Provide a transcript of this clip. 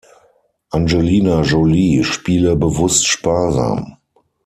Angelina Jolie spiele „"bewusst sparsam"“.